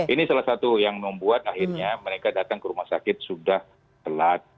ini salah satu yang membuat akhirnya mereka datang ke rumah sakit sudah telat